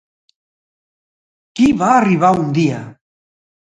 Qui va arribar un dia?